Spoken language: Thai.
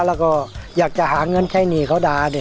แล้วก็อยากจะหาเงินใช้หนี้เขาด่า